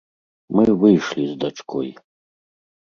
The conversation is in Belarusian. Мы выйшлі з дачкой.